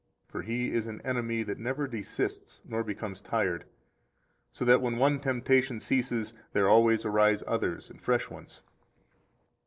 For he is an enemy that never desists nor becomes tired, so that when one temptation ceases, there always arise others and fresh ones.